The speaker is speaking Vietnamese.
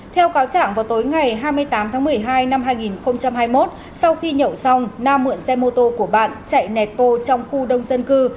theo cáo chẳng vào tối ngày hai mươi tám tháng một mươi hai năm hai nghìn hai mươi một sau khi nhậu xong nam mượn xe mô tô của bạn chạy netpo trong khu đông dân cư